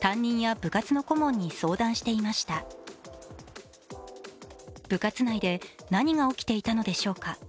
部活内で何が起きていたのでしょうか。